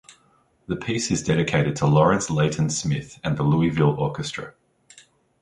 The piece is dedicated to Lawrence Leighton Smith and the Louisville Orchestra.